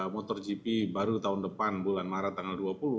motor gp baru tahun depan bulan maret tanggal dua puluh